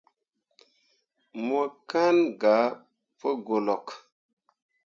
Mo kan gah pu golok.